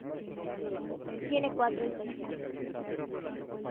Tiene cuatro estaciones.